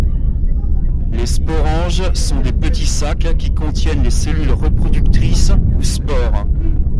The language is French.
les sporanges sont des petits sacs qui contiennent les cellules reproductrices, ou spores.